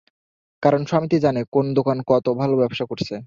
কারণ, সমিতি জানে, কোন দোকান কত ভালো ব্যবসা করছে।